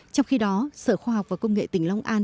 trong khi đó sở khoa học và công nghệ tỉnh long an